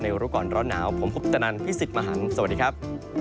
รู้ก่อนร้อนหนาวผมคุปตนันพี่สิทธิ์มหันฯสวัสดีครับ